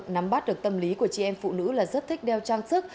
nắm bắt được tâm lý của chị em phụ nữ là rất thích đeo trang sức